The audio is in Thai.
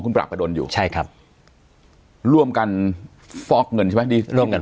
ปราบประดนอยู่ใช่ครับร่วมกันฟอกเงินใช่ไหมที่ร่วมกัน